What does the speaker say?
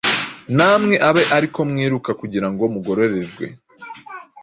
Namwe abe ariko mwiruka kugira ngo mugororerwe.